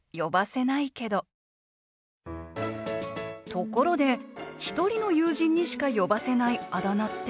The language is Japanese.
ところで１人の友人にしか呼ばせないあだ名って？